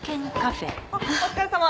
あっお疲れさま。